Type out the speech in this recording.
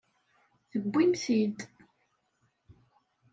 Tewwim-t-id!